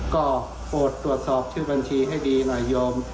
ก็โปรดตรวจสอบชื่อบัญชีให้ดีหน่อยโยม